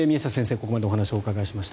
ここまでお話をお伺いしました。